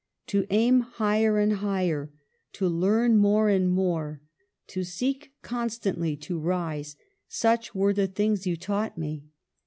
To aim higher and higher, to learn more and more, to seek constantly to rise, such were the things you taught me.